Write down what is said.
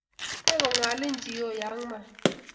Me ko ngalin chi o, young man